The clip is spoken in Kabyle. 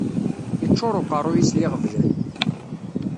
Iččuṛ uqeṛṛuy-is d iɣeblan